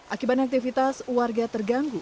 akibatnya warga terganggu